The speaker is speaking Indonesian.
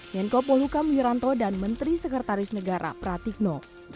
yenko poluka miranto dan menteri sekretaris negara pratik no